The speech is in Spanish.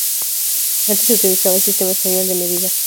Antes se utilizaba el sistema español de medidas.